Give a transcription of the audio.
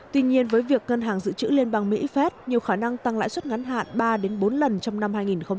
tuy nhiên với việc ngân hàng dự trữ liên bang mỹ phép nhiều khả năng tăng lãi suất ngắn hạn ba bốn lần trong năm hai nghìn hai mươi